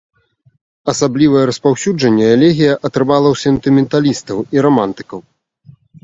Асаблівае распаўсюджанне элегія атрымала ў сентыменталістаў і рамантыкаў.